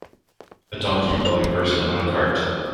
A donkey pulling a person on a cart.